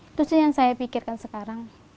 itu sih yang saya pikirkan sekarang